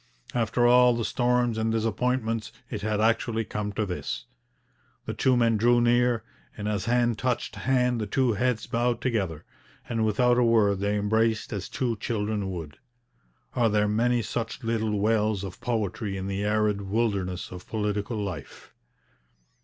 After all the storms and disappointments, it had actually come to this. The two men drew near, and as hand touched hand the two heads bowed together, and without a word they embraced as two children would. Are there many such little wells of poetry in the arid wilderness of political life?